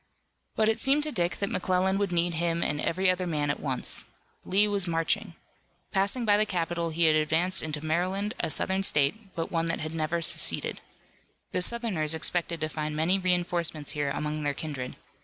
But it seemed to Dick that McClellan would need him and every other man at once. Lee was marching. Passing by the capital he had advanced into Maryland, a Southern state, but one that had never seceded. The Southerners expected to find many reinforcements here among their kindred.